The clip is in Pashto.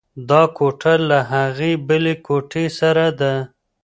دا کوټه له هغې بلې کوټې سړه ده.